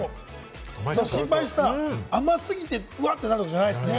心配した、甘過ぎてうわって、なるほどじゃないですね。